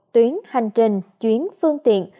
tuyến hành trình chuyến phương tiện